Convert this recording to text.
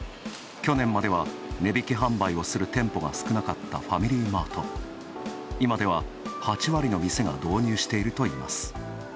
去年までは、値引き販売をする店舗が少なかったファミリーマート、今では、８割の店が導入しているといいます。